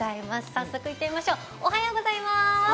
早速行ってみましょう。